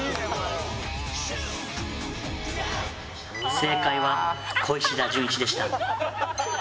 正解は小石田純一でした。